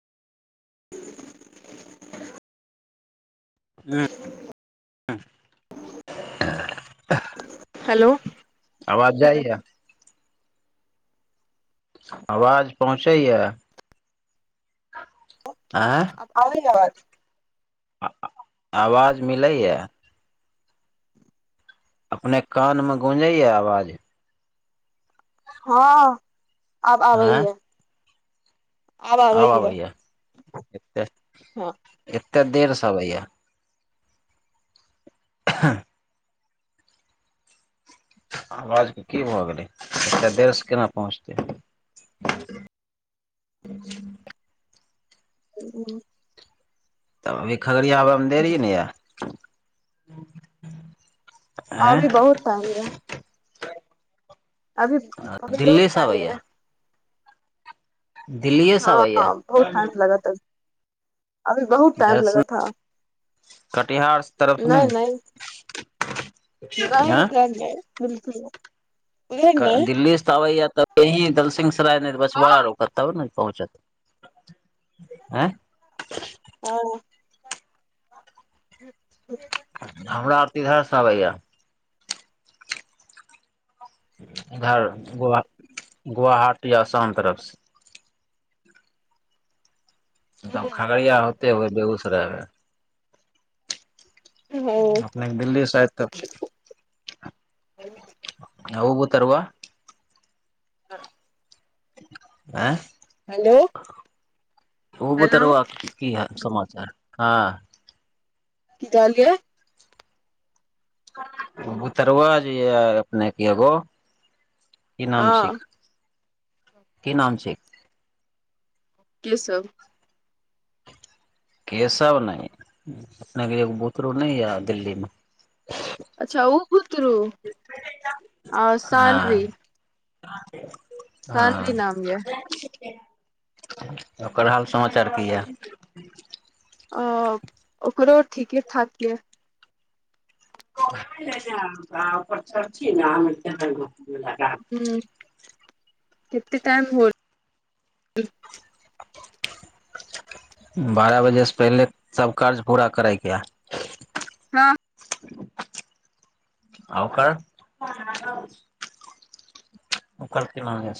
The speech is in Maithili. [inaudible] हँ ह [inaudible] हेलो आवाज जाइ या आवाज पहुँचै या आबैय या आवाज आ आवाज मिलै या अपने कान मे गूँजैय आवाज हँ आब आबै आँय या आब आबै या हँ एते देरसँ अबैया हँ [inaudible] आवाजके की भऽ गेलै एते देरसँ केना पहुँचतै हूँ हूँ तब एक खगड़िया आबै मे देरी ने या हूँ हूँ अभी बहुत टाइम एय अभी अभी दिल्ली बहुत से टाइम आबैया एय दिल्लीए से हँ आबैया बहुत टाइम लगत अभी बहुत इधर टाइम से लगत हाँ कटिहार तरफ से नहि नहि नहि आँय उधर नहि बिलकुल नहि उधर दिल्ली से आबैया तऽ यही दलसिंहसराय बछबड़ा रोकत तब ने पहुँचत आँय हँ ह [inaudible] हमरा आर तऽ इधरसँ अबैया इधर ग गुवहाटी य आसम तरफसँ तब हँ खगड़िया होते हुए बेगूसराय मे अपने के दिल्ली शायद त हूँ आ ओ बूतरबा हँ आँय हेलो ओ हेलो बतरुआ के की हाल समा हँ की कहलिए बुतरुआ जे या अपनेके एगो की नाम छिख हँ की नाम छैयक केशव केशव नहि अपने बुतरू नहि य दिल्लीमे अच्छा ओ बुतुरु सानवी हँ [unintelligible] साल्वी नाम या कि [inaudible] ओकर हाल समाचार की या ह [inaudible] अ ओकरो ठीके ठाक यऽ गपर चड़ ने मि [unintelligible] हूँ कते टाइम होल बारह बजेसँ पहिले सब काज पूरा करै कै या हँ आ ओकर ओकर की मांग